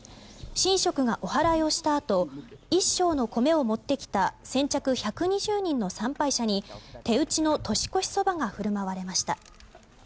神職がおはらいをしたあと一升の米を持ってきた先着１２０人の参拝者に手打ちの年越しそばが振る舞われました。